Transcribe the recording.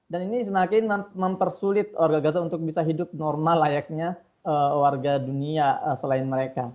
dan ini semakin mempersulit warga gaza untuk bisa hidup normal layaknya warga dunia selain mereka